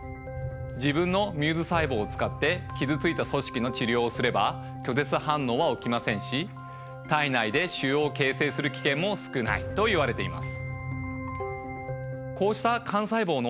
自分のミューズ細胞を使って傷ついた組織の治療をすれば拒絶反応は起きませんし体内で腫瘍を形成する危険も少ないといわれています。